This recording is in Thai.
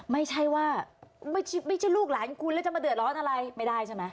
ไม่ใช่ว่าไม่ใช่ลูกหลานคุณแล้วจะมาเดือดร้อนอะไรไม่ได้ใช่ไหม